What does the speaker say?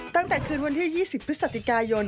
ตั้งแต่คืนวันที่๒๐พฤศจิกายน